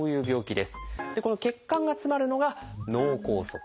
この血管が詰まるのが「脳梗塞」。